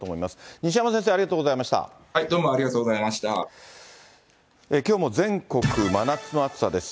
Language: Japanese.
西山先生、どうもありがとうございましきょうも全国、真夏の暑さです。